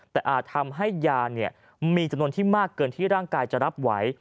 แต่อาจทำให้ยามีจำนวนที่มากเกินที่ร่างกายจะรับไหว